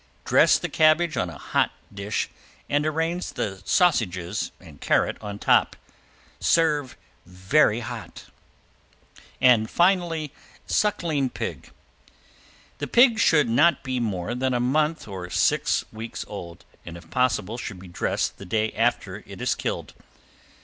Dress the cabbage on a hot dish and arrange the sausages and carrot on top. Serve very hot. ~SUCKLING PIG~ The pig should not be more than a month or six weeks old, and if possible should be dressed the day after it is killed.